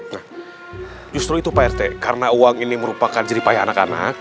nah justru itu prt karena uang ini merupakan jeripaya anak anak